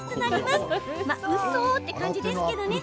まっうそって感じですけどね。